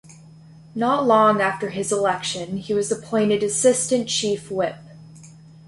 Not long after his election he was appointed assistant Chief Whip.